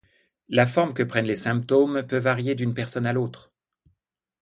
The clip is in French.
La forme que prennent les symptômes peut varier d'une personne à l'autre.